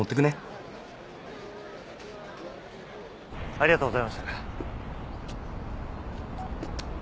ありがとうございます。